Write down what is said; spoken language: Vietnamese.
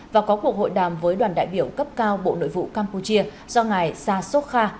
và có cuộc hội đàm với đoàn đại biểu cấp cao bộ nội vụ campuchia do ngài sa sokha